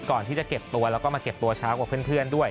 ก่อนที่จะเก็บตัวแล้วก็มาเก็บตัวช้ากว่าเพื่อนด้วย